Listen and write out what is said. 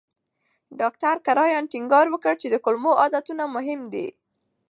ډاکټر کرایان ټینګار وکړ چې د کولمو عادتونه مهم دي.